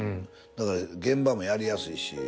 だから現場もやりやすいし。